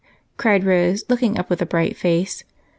" cried Rose, looking up with a bright face.